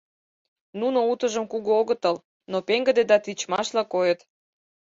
Нуно утыжым кугу огытыл, но пеҥгыде да тичмашла койыт.